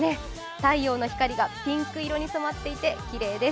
太陽の光がピンク色に染まっていてきれいです。